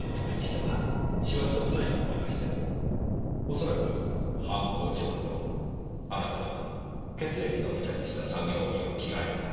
恐らく犯行直後あなたは血液の付着した作業着を着替えた。